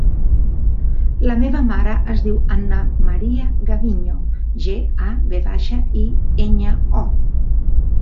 La meva mare es diu Ana maria Gaviño: ge, a, ve baixa, i, enya, o.